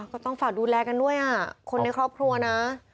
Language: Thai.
ก็ต้องฝากดูแลกันด้วยคนในครอบครัวนะ